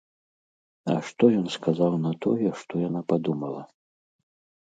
А што ён сказаў на тое, што яна падумала?